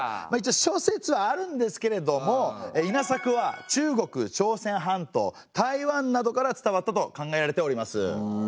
諸説あるんですけれども稲作は中国朝鮮半島台湾などから伝わったと考えられております。